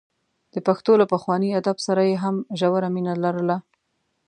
د پښتو له پخواني ادب سره یې هم ژوره مینه لرله.